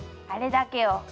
あれだけよ